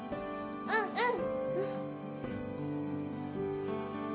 うんうん！